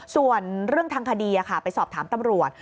ส่วนเรื่องทางคดีไปสอบถามตำรวจ